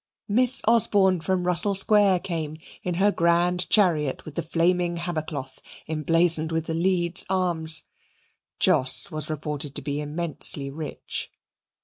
Miss Osborne from Russell Square came in her grand chariot with the flaming hammer cloth emblazoned with the Leeds arms. Jos was reported to be immensely rich.